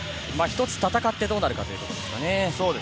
戦かってどうなるかということですね。